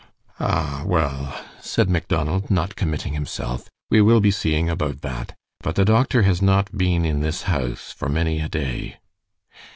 "Ah, well," said Macdonald, not committing himself, "we will be seeing about that. But the doctor has not been in this house for many a day."